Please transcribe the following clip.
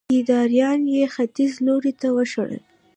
کيداريان يې ختيځ لوري ته وشړل